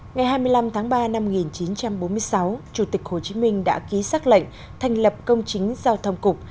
ngày hai mươi năm tháng ba năm một nghìn chín trăm bốn mươi sáu chủ tịch hồ chí minh đã ký xác lệnh thành lập công chính giao thông cục